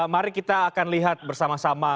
mari kita akan lihat bersama sama